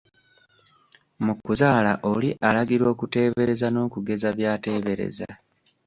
Mu kuzaala oli alagirwa okuteebereza n'okugeza by'ateebereza.